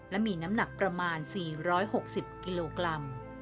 และมีน้ำหนักประมาณ๔๖๐กิโลกรัม